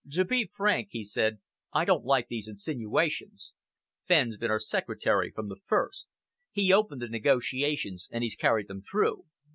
"To be frank," he said, "I don't like these insinuations. Fenn's been our secretary from the first. He opened the negotiations, and he's carried them through.